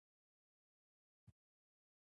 دواړه موارد د نژادي تفکیک یو ښکاره مصداق دي.